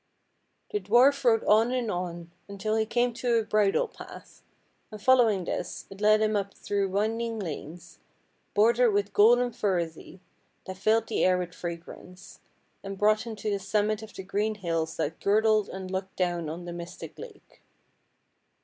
The dwarf rode on and on, until he came to a bridle path, and following this, it led him up PRINCESS AND DWARF 163 through winding lanes, bordered with golden furze that filled the air with fragrance, and brought him to the summit of the green hills that girdled and looked down on the Mystic Lake.